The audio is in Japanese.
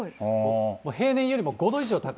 平年よりも５度以上高い。